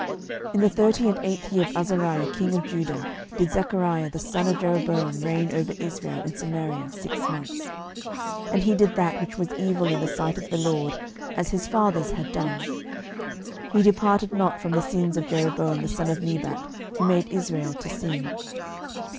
12:015:008 In the thirty and eighth year of Azariah king of Judah did Zachariah the son of Jeroboam reign over Israel in Samaria six months. 12:015:009 And he did that which was evil in the sight of the LORD, as his fathers had done: he departed not from the sins of Jeroboam the son of Nebat, who made Israel to sin.